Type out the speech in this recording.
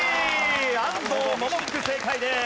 安藤百福正解です。